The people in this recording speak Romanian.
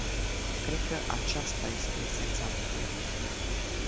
Cred că aceasta este esența problemei.